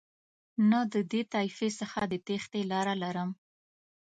نه د دې طایفې څخه د تېښتې لاره لرم.